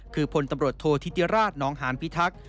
คือพลตำรวจโทษธิติราชนองหานพิทักษ์